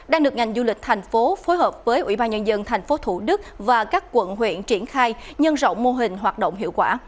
đang được ngành du lịch thành phố phối hợp với ủy ban nhân dân tp thủ đức và các quận huyện triển khai nhân rộng mô hình hoạt động hiệu quả